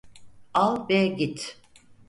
Al ve git.